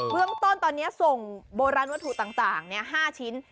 เรื่องต้นตอนนี้ส่งโบราณวัตถุต่าง๕ชิ้น